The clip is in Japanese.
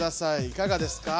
いかがですか？